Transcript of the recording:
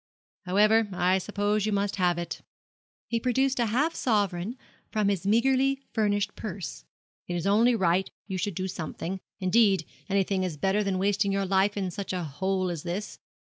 'However, I suppose you must have it.' He produced a half sovereign from his meagrely furnished purse. 'It is only right you should do something; indeed, anything is better than wasting your life in such a hole as this.